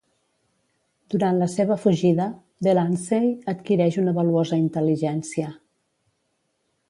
Durant la seva fugida, Delancey adquireix una valuosa intel·ligència.